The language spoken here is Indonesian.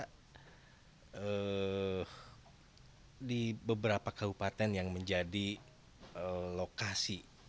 karena di beberapa kabupaten yang menjadi lokasi